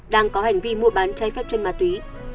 đang có hành vi mua bán trái phép trên ma túy